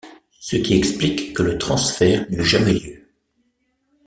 Ce qui explique que le transfert n'eut jamais lieu.